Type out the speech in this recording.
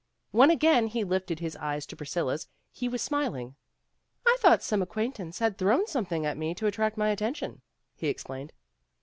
When again he lifted his eyes to Priscilla 's he was smiling. "I thought some acquaintance had thrown something at me to attract my attention," he explained.